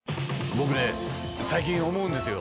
僕ね最近思うんですよ。